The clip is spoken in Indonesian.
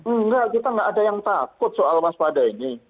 enggak kita nggak ada yang takut soal waspada ini